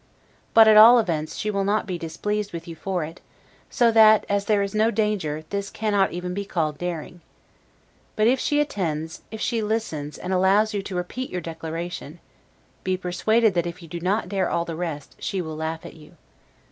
But, at all events, she will not be displeased with you for it; so that, as there is no danger, this cannot even be called daring. But if she attends, if she listens, and allows you to repeat your declaration, be persuaded that if you do not dare all the rest, she will laugh at you.